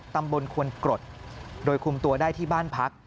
ตำบลควนกรดโดยคุมตัวได้ที่บ้านพัก